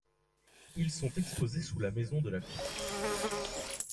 Ils sont exposés sous la maison de la Cour.